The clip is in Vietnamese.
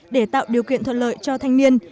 để tạo điều kiện thuận lợi cho thanh niên